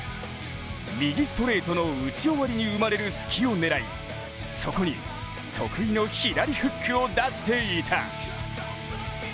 右ストレートの打ち終わりに生まれる隙を狙い、そこに得意の左フックを出していた。